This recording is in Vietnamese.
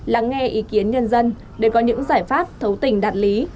lắng nghe ý kiến nhân dân để có những giải pháp thấu tình đạt lý